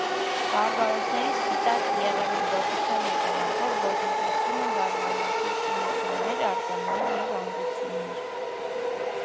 Բարբարոսների «սպիտակ եղեռնագործության» հետևանքով ոչնչացվում են բազմաթիվ շինություններ, արձաններ և ամրություններ։